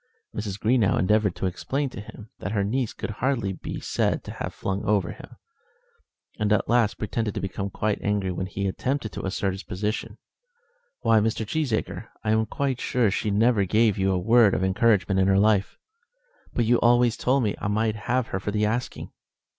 Mrs. Greenow endeavoured to explain to him that her niece could hardly be said to have flung him over, and at last pretended to become angry when he attempted to assert his position. "Why, Mr. Cheesacre, I am quite sure she never gave you a word of encouragement in her life." "But you always told me I might have her for the asking."